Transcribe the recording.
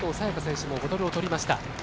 也伽選手もボトルを取りました。